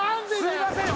すいません